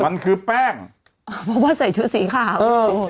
มันคือเป้งเพราะว่าใส่ชุดสีขาวฮ่ะ